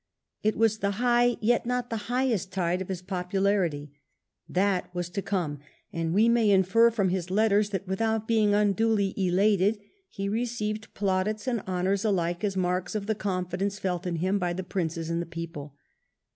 It was the high, yet not the highest tide of his popularity — that was to come ; and we may infer from his letters that without being unduly elated, he received plaudits and honours alike as marks of the confidence felt in him by the princes and the people.